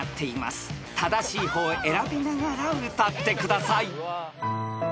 ［正しい方を選びながら歌ってください］